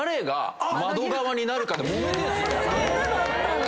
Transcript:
そんなのあったんだ。